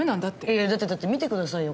いやだって見てくださいよ